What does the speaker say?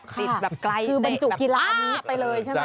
ปิดแบบใกล้เตะแบบป๊า